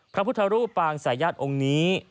พระพุทธรูปปางสายญาติองค์นี้